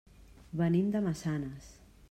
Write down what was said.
Venim de Massanes.